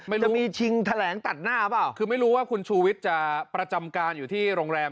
ไม่รู้มีชิงแถลงตัดหน้าเปล่าคือไม่รู้ว่าคุณชูวิทย์จะประจำการอยู่ที่โรงแรม